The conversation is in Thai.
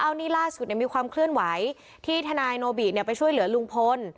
อันนี้ล่าสุดมีความเคลื่อนไหวที่ทนายโนบิไปช่วยเหลือลุงพล